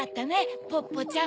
ポッポちゃん。